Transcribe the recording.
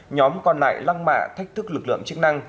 nhóm còn lại lăng mạ thách thức lực lượng chức năng